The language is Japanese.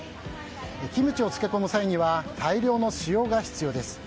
キムチを漬け込む際には大量の塩が必要です。